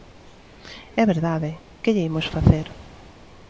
É verdade, ¡que lle imos facer!